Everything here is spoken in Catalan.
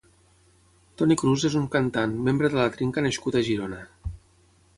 Toni Cruz és un cantant, membre de La Trinca nascut a Girona.